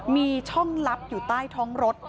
มีช่องลับอยู่ใต้ท้องรถ